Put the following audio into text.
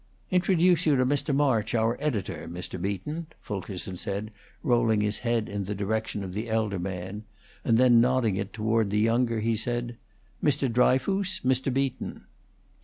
"Introduce you to Mr. March, our editor, Mr. Beaton," Fulkerson said, rolling his head in the direction of the elder man; and then nodding it toward the younger, he said, "Mr. Dryfoos, Mr. Beaton."